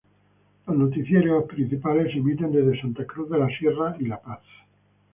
Los noticieros principales se emiten desde Santa Cruz de la Sierra y La Paz.